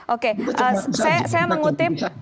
oke saya mengutip